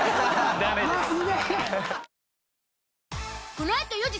ダメです。